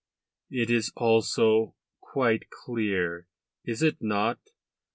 It is also quite clear is it not?